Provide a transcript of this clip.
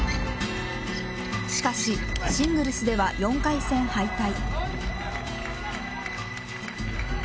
しかしシングルスでは４回戦敗退。